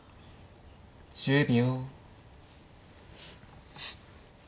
１０秒。